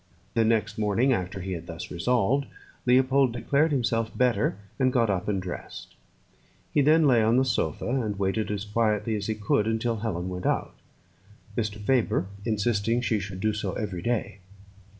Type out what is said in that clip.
The next morning after he had thus resolved, Leopold declared himself better, and got up and dressed. He then lay on the sofa and waited as quietly as he could until Helen went out Mr. Faber insisting she should do so every day.